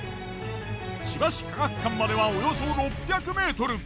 千葉市科学館まではおよそ６００ｍ。